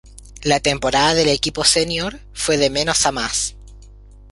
La temporada del equipo senior fue de menos a más.